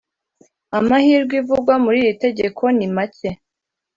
amahirwe ivugwa muri iri tegeko nimake